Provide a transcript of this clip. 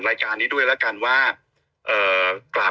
รายการนี้ละกันว่า